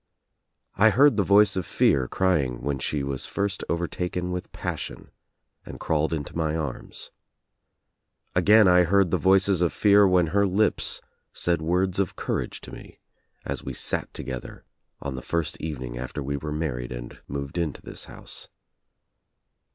I heard the voice of fear crying when she was first overtaken with passion and crawled into my arms. Again I heard the voices of fear when her lips said words of courage to me as we sat together on the lOO THE TRIUMPH OF THE EGG first evening after we were married and moved Into this house.